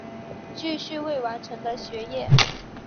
继续未完成的学业